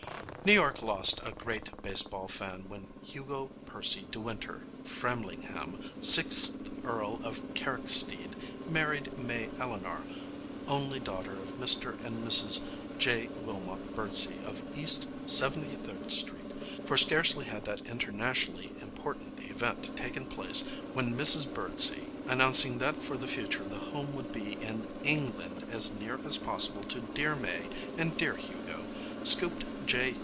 New York lost a great baseball fan when Hugo Percy de Wynter Framlinghame, sixth Earl of Carricksteed, married Mae Elinor, only daughter of Mr and Mrs J. Wilmot Birdsey of East Seventy Third Street; for scarcely had that internationally important event taken place when Mrs Birdsey, announcing that for the future the home would be in England as near as possible to dear Mae and dear Hugo, scooped J.